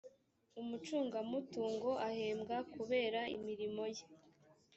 umucungamutungo ahembwa kubera imirimoye.